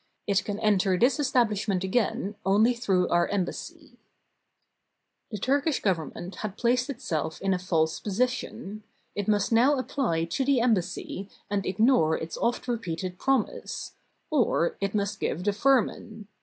It can enter this establishment again only through our embassy. The Turkish Government had placed itself in a false position. It must now apply to the embassy and ignore its oft repeated promise; or it must give the firman.